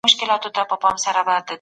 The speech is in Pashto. خپل ځان له ستړیا څخه وساتئ.